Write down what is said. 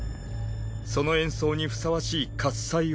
その演奏にふさわしい喝采を。